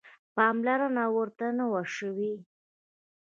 پاملرنه ورته نه وه شوې.